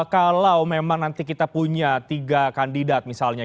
kalau memang nanti kita punya tiga kandidat misalnya